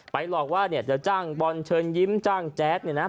หลอกว่าเนี่ยจะจ้างบอลเชิญยิ้มจ้างแจ๊ดเนี่ยนะ